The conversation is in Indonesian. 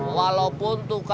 walaupun tuh gila